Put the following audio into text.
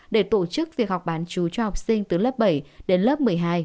để tổ chức việc học bán chú cho học sinh từ lớp bảy đến lớp một mươi hai